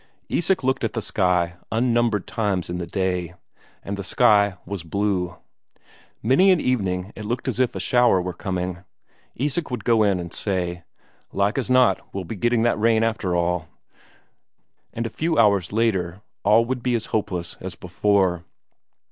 Isak looked at the sky unnumbered times in the day. And the sky was blue. Many an evening it looked as if a shower were coming. Isak would go in and say, "Like as not we'll be getting that rain after all." And a couple of hours later all would be as hopeless as before.